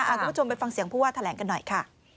คุณผู้ชมไปฟังเสียงผู้ว่าแถลงกันหน่อยค่ะ